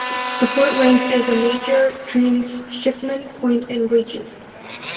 The port ranks as a major transshipment point in region.